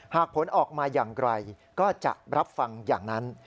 ผลออกมาอย่างไกลก็จะรับฟังอย่างนั้น